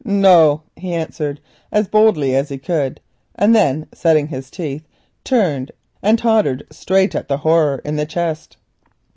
"No," he answered as boldly as he could, and then setting his teeth, turned and tottered straight at the Horror in the chest.